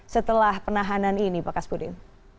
setelah penahanan ini pak kas pudin